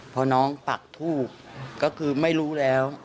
พอน้องปักทูบก็คือไม่รู้แล้ว